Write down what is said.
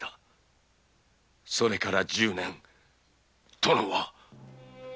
それから十年殿は。